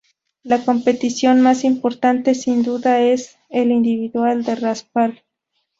La competición más importante sin dudas es el individual de raspall.